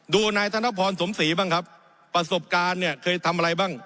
นายธนพรสมศรีบ้างครับประสบการณ์เนี่ยเคยทำอะไรบ้าง